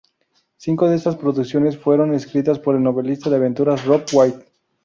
Cinco de esas producciones fueron escritas por el novelista de aventuras Robb White.